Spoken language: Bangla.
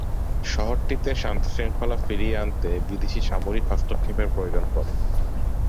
শহরটিতে শান্তি শৃঙ্খলা ফিরিয়ে আনতে বিদেশী সামরিক হস্তক্ষেপের প্রয়োজন পড়ে।